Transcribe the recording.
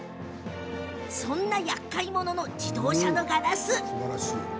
そんなやっかい者の自動車のガラス